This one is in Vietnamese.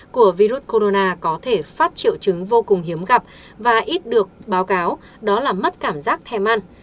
của virus corona có thể phát triệu chứng vô cùng hiếm gặp và ít được báo cáo đó là mất cảm giác thèm ăn